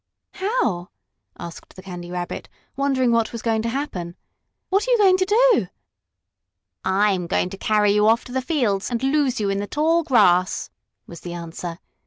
"How?" asked the Candy Rabbit, wondering what was going to happen. "What are you going to do?" "I'm going to carry you off to the fields and lose you in the tall grass," was the answer.